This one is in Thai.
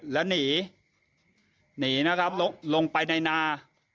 แล้วหนีหนีนะครับลงไปในนา